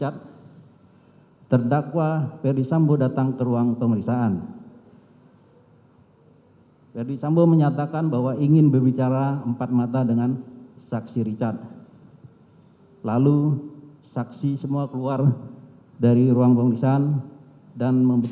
taksi pelan enakan perusahaan